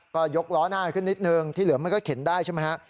ก็ยกล้อหน้าขึ้นนิดนึงที่เหลือมันก็เข็นได้ใช่ไหมฮะ